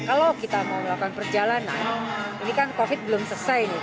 kalau kita mau melakukan perjalanan ini kan covid belum selesai nih